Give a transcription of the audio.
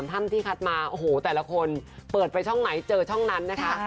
ถ้ำที่คัดมาโอ้โหแต่ละคนเปิดไปช่องไหนเจอช่องนั้นนะคะ